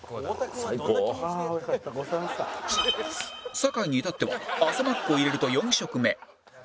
酒井に至っては朝マックを入れると４食目